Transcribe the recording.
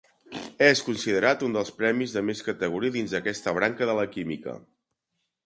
És considerat un dels premis de més categoria dins aquesta branca de la química.